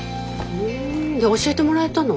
ふんで教えてもらえたの？